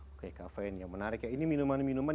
oke kafein yang menarik ya ini minuman minuman